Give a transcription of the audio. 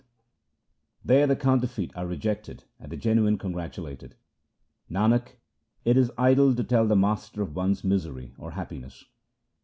48 THE SIKH RELIGION There the counterfeit are rejected and the genuine con gratulated. Nanak, it is idle to tell the Master of one's misery or happiness.